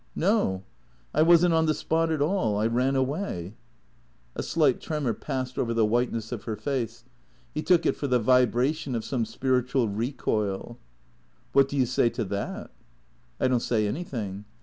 " No. I was n't on the spot at all. I ran away." THE CEEATORS 213 A slight tremor passed over the whiteness of her face ; he took it for the vibration of some spiritual recoil. " What do you say to that ?"" I don't say anything."